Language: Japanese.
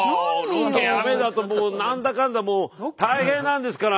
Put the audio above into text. ロケ雨だともう何だかんだもう大変なんですから。